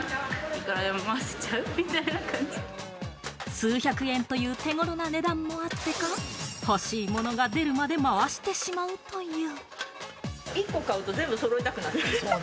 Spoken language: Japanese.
数百円という手頃な値段もあってか、欲しいものが出るまで回してしまうという。